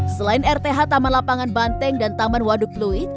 selain rth taman lapangan banteng dan taman waduk pluit